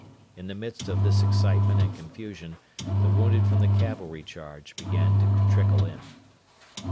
In the midst of this excitement and confusion the wounded from the cavalry charge began to trickle in.